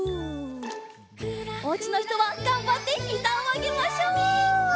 おうちのひとはがんばってひざをあげましょう！